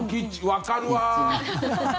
わかるわ！